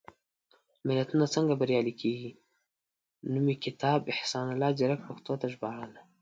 ملتونه څنګه بریالي کېږي؟ نومي کتاب، احسان الله ځيرک پښتو ته ژباړلی.